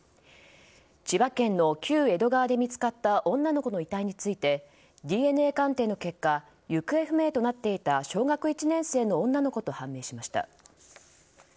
千葉県の旧江戸川で見つかった女の子の遺体についてＤＮＡ鑑定の結果行方不明となっていた小学１年生の女の子と判明しました。